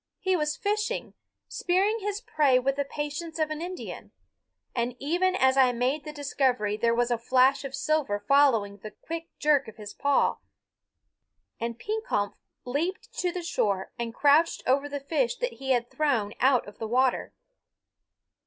He was fishing, spearing his prey with the patience of an Indian; and even as I made the discovery there was a flash of silver following the quick jerk of his paw, and Pekompf leaped to the shore and crouched over the fish that he had thrown out of the water.